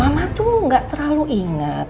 aduh mama tuh gak terlalu inget